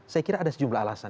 saya kira ada sejumlah alasan